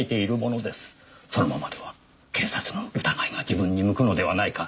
そのままでは警察の疑いが自分に向くのではないか。